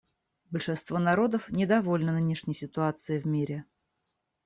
Большинство народов недовольно нынешней ситуацией в мире.